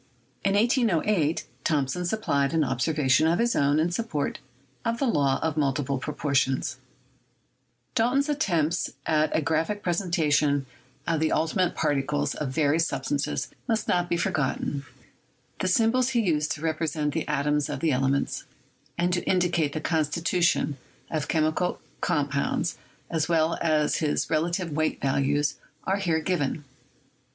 In 1808, Thomson supplied an observation of his own in support of the law of multiple proportions. Dalton's attempts at a graphic presentment of the ulti ATOMIC THEORY— WORK OF DAVY 185 mate particles of various substances must not be forgotten. The symbols he used to represent the atoms of the ele ments and to indicate the constitution of chemical com pounds, as well as his relative weight values, are here given.